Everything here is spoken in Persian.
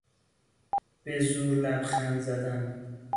به زور لبخند زدن